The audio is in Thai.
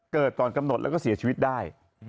เกิดก่อนกำหนดแล้วก็เสียชีวิตได้